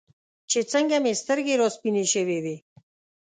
چې څنګه مې سترګې راسپینې شوې وې.